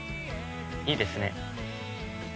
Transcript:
いいですね。